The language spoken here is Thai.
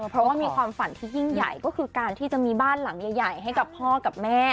เพราะว่ามีความฝันที่ยิ่งใหญ่ก็คือการที่จะมีบ้านหลังใหญ่ให้กับพ่อกับแม่